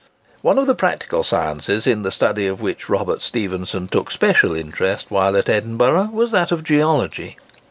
One of the practical sciences in the study of which Robert Stephenson took special interest while at Edinburgh was that of geology.